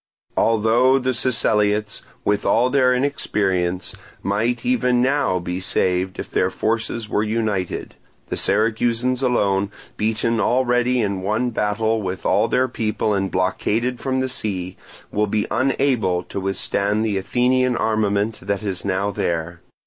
Although the Siceliots, with all their inexperience, might even now be saved if their forces were united, the Syracusans alone, beaten already in one battle with all their people and blockaded from the sea, will be unable to withstand the Athenian armament that is now there.